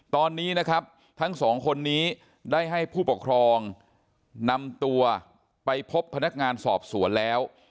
ตอนนี้นะครับทั้งสองคนนี้ได้ให้ผู้ปกครองนำตัวไปพบพนักงานสอบสวนแล้ว